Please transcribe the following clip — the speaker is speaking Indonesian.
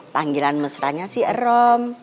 panggilan mesra nya sih rom